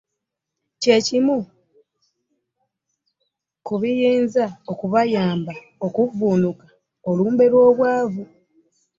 Ky'ekimu ku biyinza okubayamba okuvvuunuka olumbe lw'obwavu